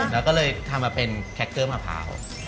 แล้วก็เลยทำมาเป็นแคคเกอร์มะพร้าว